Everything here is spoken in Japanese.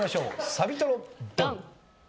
サビトロドン！